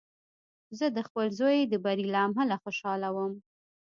زه د خپل زوی د بري له امله خوشحاله وم.